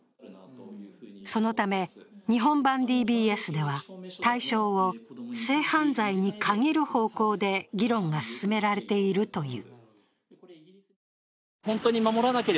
そのため、日本版ＤＢＳでは対象を性犯罪に限る方向で議論が進められているという。